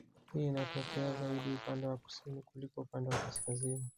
Hii inatokea zaidi upande wa kusini kuliko upande wa kaskazini